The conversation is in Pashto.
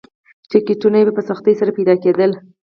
ټکټونه یې په سختۍ سره پیدا کېدل.